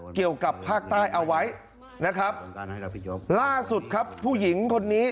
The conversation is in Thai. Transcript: เกี่ยวกับภาคใต้เอาไว้นะครับล่าสุดครับผู้หญิงคนนี้